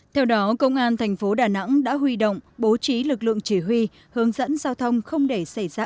theo đó công an thành phố đà nẵng đã huy động bố trí lực lượng chỉ huy hướng dẫn giao thông không để xảy ra